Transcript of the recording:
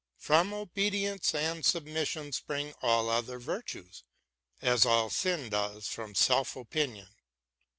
From obedience and sub mission spring all other virtues, as all sin does from self opinion.